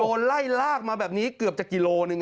โดนไล่ลากมาแบบนี้เกือบจะกิโลหนึ่ง